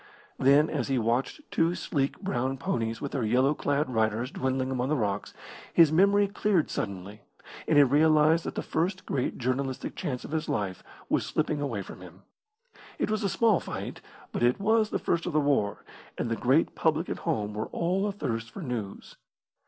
Then, as he watched two sleek, brown ponies with their yellow clad riders dwindling among the rocks, his memory cleared suddenly, and he realised that the first great journalistic chance of his life was slipping away from him. It was a small fight, but it was the first of the war, and the great public at home were all athirst for news.